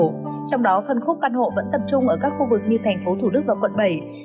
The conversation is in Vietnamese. trong đó phần khúc căn hộ vẫn tập trung ở các khu vực như thành phố thủ đức và quảng độ